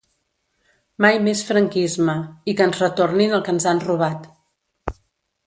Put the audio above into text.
Mai més franquisme’ i ‘Que ens retornin el que ens han robat’.